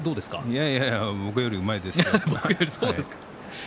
いやいや僕よりうまいですよ。